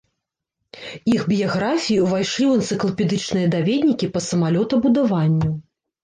Іх біяграфіі ўвайшлі ў энцыклапедычныя даведнікі па самалётабудаванню.